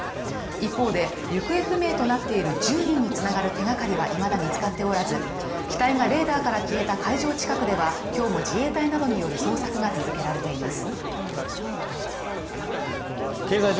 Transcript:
一方で行方不明となっている１０人に繋がる手がかりは未だ見つかっておらず、機体がレーダーから消えた海上近くでは今日も自衛隊などによる捜索が続けられています。